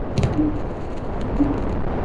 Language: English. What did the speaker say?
When we find them, they are dapper.